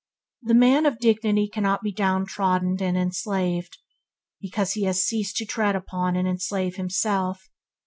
The man of dignity cannot be down trodden and enslaved, because he has ceased to tread upon and enslave himself.